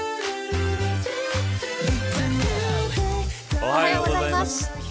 おはようございます。